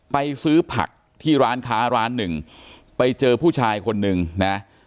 ซื้อผักที่ร้านค้าร้านหนึ่งไปเจอผู้ชายคนนึงนะ